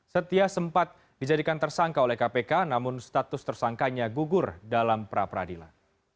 setia sempat dijadikan tersangka oleh kpk namun status tersangkanya gugur dalam pra peradilan